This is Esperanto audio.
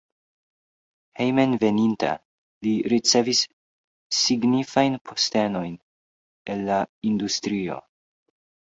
Hejmenveninta li ricevis signifajn postenojn en la industrio.